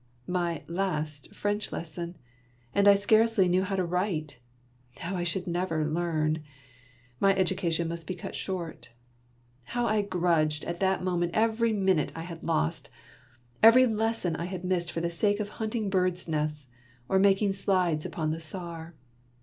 My " last " French lesson ! And I scarcely knew how to write ! Now I should never learn. My education must be cut short. How I grudged at that moment every minute I had lost, every lesson I had missed for the sake of hunting birds' nests or making slides upon the Saar